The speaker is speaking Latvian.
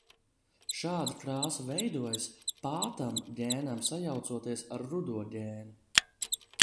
Šāda krāsa veidojas, pātam gēnam sajaucoties ar rudo gēnu.